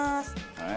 はい。